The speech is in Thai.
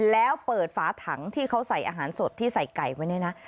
แล้วเปิดฝาถังที่เขาใส่อาหารสดที่ใส่ไก่ไว้เนี่ยนะ